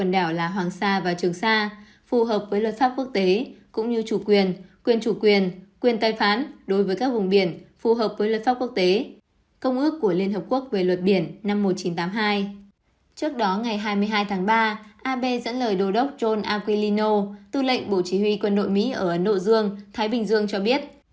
tư lệnh bộ chỉ huy quân đội mỹ ở nội dương thái bình dương cho biết